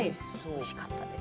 おいしかったです。